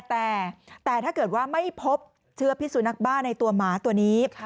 แต่ถ้าเกิดว่าไม่พบเชื้อพิสุนักบ้าในตัวหมาตัวนี้